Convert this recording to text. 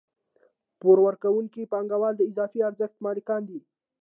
پور ورکوونکي پانګوال د اضافي ارزښت مالکان دي